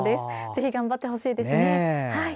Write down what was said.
ぜひ頑張ってほしいですね。